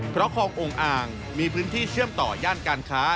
เพราะคลององค์อ่างมีพื้นที่เชื่อมต่อย่านการค้า